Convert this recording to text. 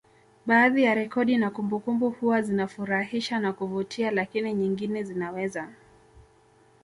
Baadhi ya rekodi na kumbukumbu huwa zinafurahisha na kuvutia lakini nyingine zinaweza